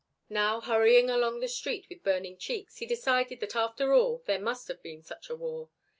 Now hurrying along the street with burning cheeks, he decided that after all there must have been such a war.